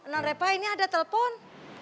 non repa ini ada telpon